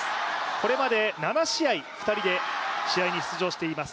これまで７試合、２人で試合に出場しています。